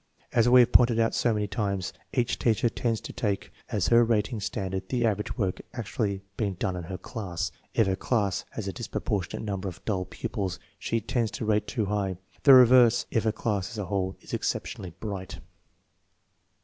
As we have pointed out so many times, each teacher tends to take as her rating standard the average work actually being done in her class. If her class has a disproportionate number of dull pupils she tends to rate too high; the reverse, if her class as a whole is exceptionally bright.